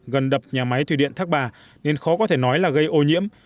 gần đập nhà máy thủy điện thác bà nên khó có thể nói là gây ô nhiễm